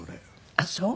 あっそう。